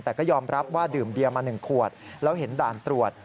แต่ก็ยอมรับว่าดื่มเบียมา๑ขวดแล้วเห็นด่านตรวจ